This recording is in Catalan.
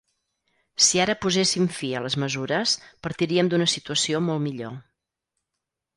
Si ara poséssim fi a les mesures, partiríem d’una situació molt millor.